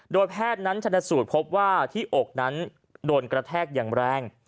โดยแพทย์นั้นชนสูตรพบว่าที่อกนั้นโดนกระแทกอย่างแรง